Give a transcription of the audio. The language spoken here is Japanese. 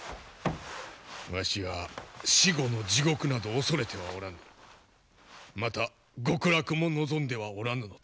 わしは死後の地獄など恐れてはおらぬまた極楽も望んではおらぬのだ。